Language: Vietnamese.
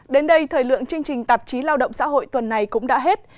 đến đây thời lượng chương trình tạp chí lao động xã hội tuần này cũng đã hết